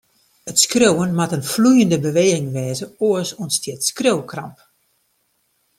It skriuwen moat ien floeiende beweging wêze, oars ûntstiet skriuwkramp.